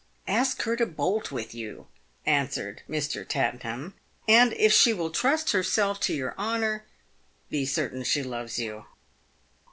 * Ask her to bolt with you," answered Mr. P. T., " and, if she will trust herself to your honour, be certain she loves you."